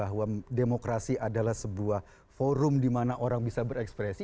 bahwa demokrasi adalah sebuah forum dimana orang bisa berekspresi